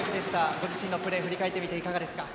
ご自身のプレー振り返っていかがですか。